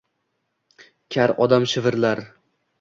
Kar odam shivirlar